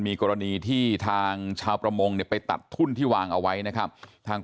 มีกรณีที่ทางชาวประมงเนี่ยไปตัดทุ่นที่วางเอาไว้นะครับทาง